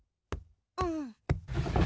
うん。